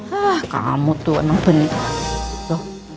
hah kamu tuh enak bener